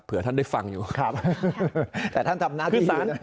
เผื่อท่านได้ฟังด้วยครับ